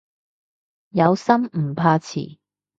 有心唔怕遲